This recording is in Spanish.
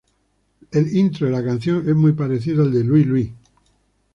El intro de la canción es muy parecido al de "Louie Louie".